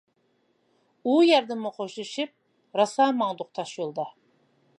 ئۇ يەردىنمۇ خوشلىشىپ، راسا ماڭدۇق تاشيولدا.